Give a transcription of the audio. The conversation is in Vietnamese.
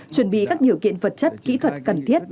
chuẩn bị các điều kiện vật chất kỹ thuật cần thiết